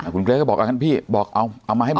คุณเกรทก็บอกงั้นพี่บอกเอามาให้หมด